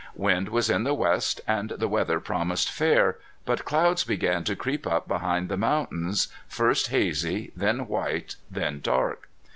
Wind was in the west and the weather promised fair. But clouds began to creep up behind the mountains, first hazy, then white, then dark.